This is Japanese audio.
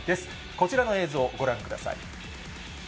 こちらの映像ご覧ください。